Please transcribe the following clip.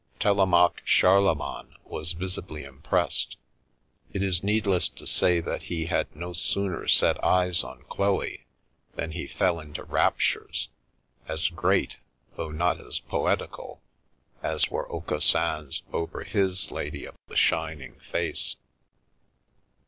Telemaque Charlemagne was visibly impressed. It is needless to say that he had no sooner set eyes on Chloe than he fell into raptures, as great, though not as poetical, as were Aucassin's over his lady of the shining face.